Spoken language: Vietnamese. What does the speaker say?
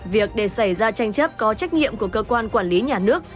việc để xảy ra tranh chấp có trách nhiệm của cơ quan quản lý nhà nước